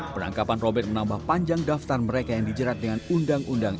penangkapan robert menambah panjang daftar mereka yang dijerat dengan undang undang